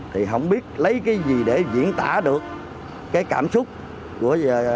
thì không biết lấy cái gì để diễn tả được cái cảm xúc của